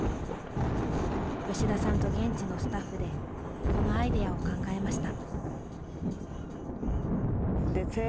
吉田さんと現地のスタッフでこのアイデアを考えました。